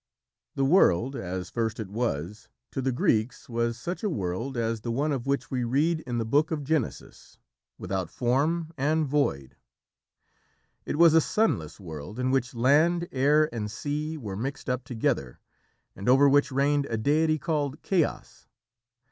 The world, as first it was, to the Greeks was such a world as the one of which we read in the Book of Genesis "without form, and void." It was a sunless world in which land, air, and sea were mixed up together, and over which reigned a deity called Chaos.